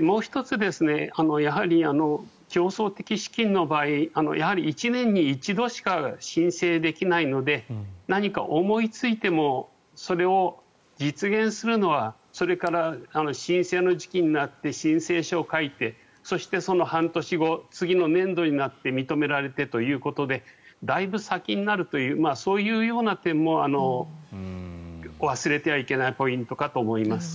もう１つ、競争的資金の場合やはり１年に一度しか申請できないので何か思いついてもそれを実現するのはそれから申請の時期になって申請書を書いてそして、その半年後次の年度になって認められてということでだいぶ先になるというそういうような点も忘れてはいけないポイントかと思います。